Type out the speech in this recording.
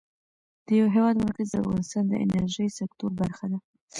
د هېواد مرکز د افغانستان د انرژۍ سکتور برخه ده.